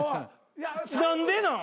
何でなん？